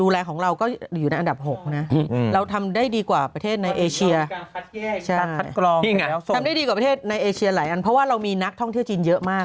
ส่งได้ดีกว่าประเทศในเอเชียหลายอันเพราะว่าเรามีนักท่องเที่ยวจีนเยอะมาก